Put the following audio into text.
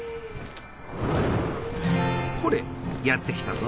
ほれやって来たぞ。